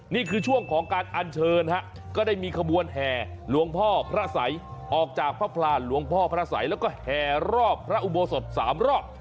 นี่คือช่วงของการอัญเชิญฮะก็ได้มีขบวนแห่หลวงพ่อพระสัยออกจากพระพลานหลวงพ่อพระสัยแล้วก็แห่รอบพระอุโบสถ๓รอบ